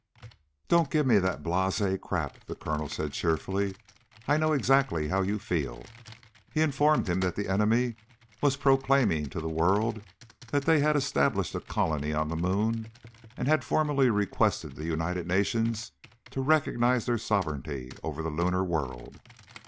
"Don't give me that blasé crap," the Colonel said cheerfully. "I know exactly how you feel." He informed him that the enemy was proclaiming to the world they had established a colony on the moon, and had formally requested the United Nations to recognize their sovereignty over the lunar world.